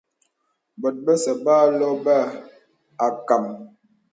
Bòt bəsɛ̄ bə âlɔ bə âkam.